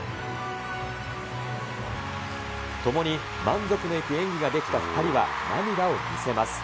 ともに満足のいく演技ができた２人は涙を見せます。